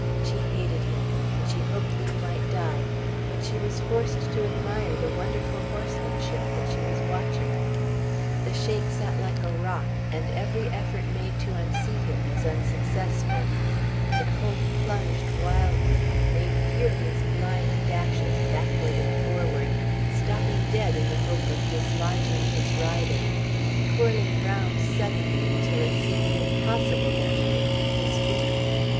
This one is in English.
She hated him and she hoped that he might die, but she was forced to admire the wonderful horsemanship that she was watching. The Sheik sat like a rock, and every effort made to unseat him was unsuccessful. The colt plunged wildly, making furious blind dashes backward and forward, stopping dead in the hope of dislodging his rider, twirling round suddenly until it seemed impossible that he could keep his feet.